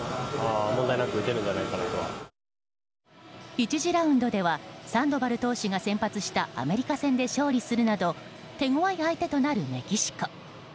１次ラウンドではサンドバル投手が先発したアメリカ戦で勝利するなど手ごわい相手となるメキシコ。